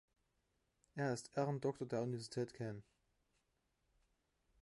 Er ist Ehrendoktor der Universität Caen.